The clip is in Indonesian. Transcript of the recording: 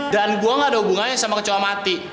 dan gue gak ada hubungannya sama kecoh mati